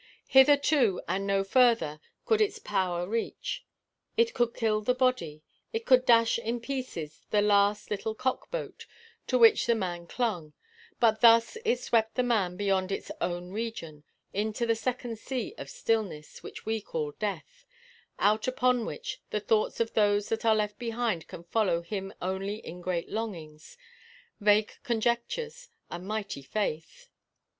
Hitherto and no further could its power reach. It could kill the body. It could dash in pieces the last little cock boat to which the man clung, but thus it swept the man beyond its own region into the second sea of stillness, which we call death, out upon which the thoughts of those that are left behind can follow him only in great longings, vague conjectures, and mighty faith.